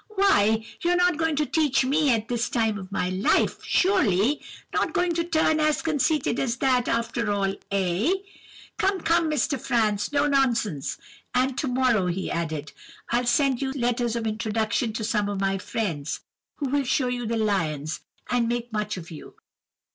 'Why, you're not going to teach me at my time of life, surely? Not going to turn as conceited as that, after all, eh? Come, come, Mr. Franz, no nonsense! And to morrow,' he added, 'I'll send you letters of introduction to some of my friends, who will show you the lions, and make much of you.